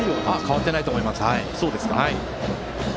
変わっていないと思います。